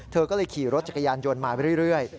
เธอก็เลยขี่รถจักรยานยนต์มาเรื่อย